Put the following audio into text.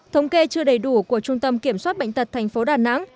thống kê chưa đầy đủ của trung tâm kiểm soát bệnh tật thành phố đà nẵng